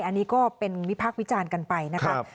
อันนี้ก็เป็นวิพากษ์วิจารณ์กันไปนะครับ